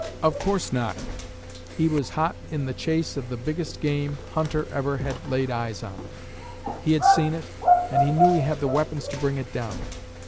Of course not; he was hot in the chase of the biggest game hunter ever had laid eyes on. He had seen it, and he knew he had the weapons to bring it down.